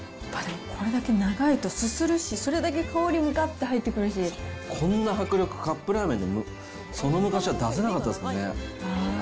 これだけ長いと、すするし、それだけ香りもがっと入ってくるこんな迫力、カップラーメンでその昔は出せなかったですね。